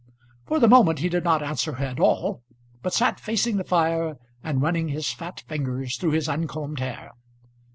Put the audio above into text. For the moment he did not answer her at all, but sat facing the fire, and running his fat fingers through his uncombed hair.